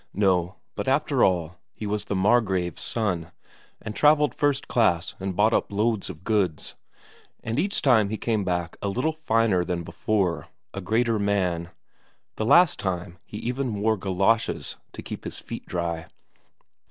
No, but after all, he was the Margrave's son, and travelled first class and bought up loads of goods. And each time he came back a little finer than before, a greater man; the last time, he even wore galoshes to keep his feet dry.